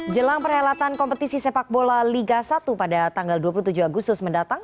jelang perhelatan kompetisi sepak bola liga satu pada tanggal dua puluh tujuh agustus mendatang